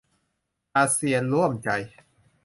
อาเซียนร่วมใจ